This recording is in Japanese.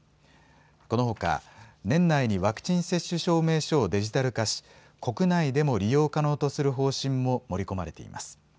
このほか年内にワクチン接種証明書をデジタル化し国内でも利用可能とする方針も盛り込まれています。